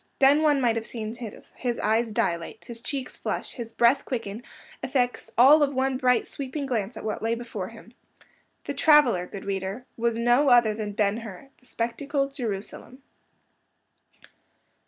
Then one might have seen his eyes dilate, his cheeks flush, his breath quicken, effects all of one bright sweeping glance at what lay before him. The traveller, good reader, was no other than Ben Hur; the spectacle, Jerusalem.